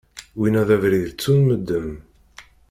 Winna d abrid ttun medden.